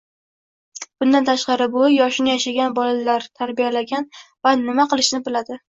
Bundan tashqari buvi “yoshini yashagan, bolalar tarbiyalagan va nima qilishni biladi.